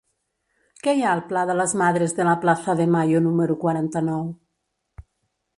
Què hi ha al pla de les Madres de la Plaza de Mayo número quaranta-nou?